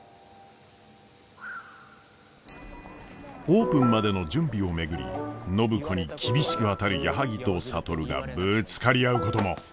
オープンまでの準備を巡り暢子に厳しく当たる矢作と智がぶつかり合うことも。